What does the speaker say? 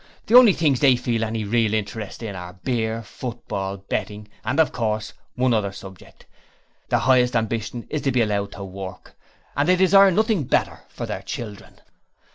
The only things they feel any real interest in are beer, football, betting and of course one other subject. Their highest ambition is to be allowed to Work. And they desire nothing better for their children!